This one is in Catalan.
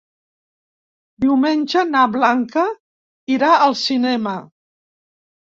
Diumenge na Blanca irà al cinema.